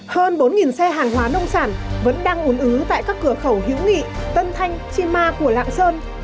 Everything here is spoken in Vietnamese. hơn bốn xe hàng hóa nông sản vẫn đang ủn ứ tại các cửa khẩu hữu nghị tân thanh chi ma của lạng sơn